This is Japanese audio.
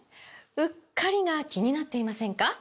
“うっかり”が気になっていませんか？